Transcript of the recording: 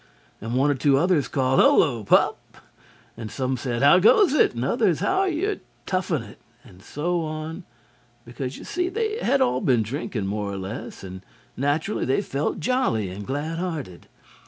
and one or two others called: "Hullo, Pup!" and some said: "How goes it?" and others: "How are you toughing it?" and so on, because you see they had all been drinking more or less and naturally they felt jolly and glad hearted.